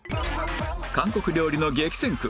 韓国料理の激戦区